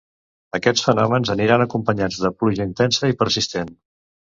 Aquests fenòmens aniran acompanyats de pluja intensa i persistent.